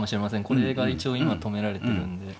これが一応今止められてるんで。